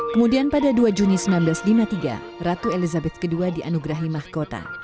kemudian pada dua juni seribu sembilan ratus lima puluh tiga ratu elizabeth ii dianugerahi mahkota